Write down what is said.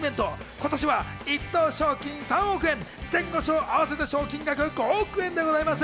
今年は１等賞金が３億円、前後賞を合わせた賞金額は５億円となります。